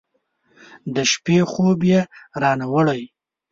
د شپې خوب یې رانه وړی